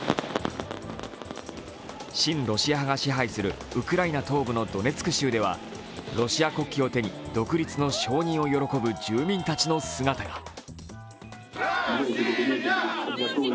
親ロシア派が支配するウクライナ東部のドネツク州では、ロシア国旗を手に独立の承認を喜ぶ住民たちの姿が。